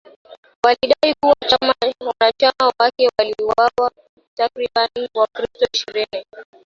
Walidai kuwa wanachama wake waliwauwa takribani wakristo ishirini